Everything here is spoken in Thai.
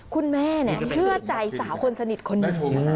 คุณแม่เชื่อใจสาวคนสนิทคนหนึ่ง